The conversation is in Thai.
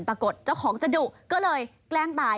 ปรากฏเจ้าของจะดุก็เลยแกล้งตาย